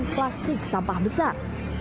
dan plastik sampah besar